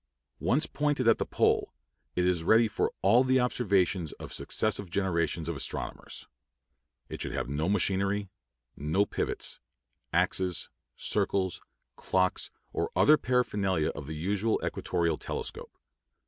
Once pointed at the pole, it is ready for all the observations of successive generations of astronomers. It should have no machinery, no pivots, axes, circles, clocks, or other paraphernalia of the usual equatorial telescope.